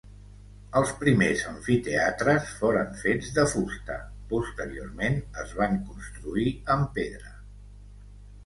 Els primers amfiteatres foren fets de fusta; posteriorment es van construir amb pedra.